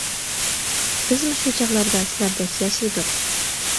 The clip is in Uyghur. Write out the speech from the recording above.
بىزمۇ شۇ چاغلاردا سىلەردەك ياش ئىدۇق.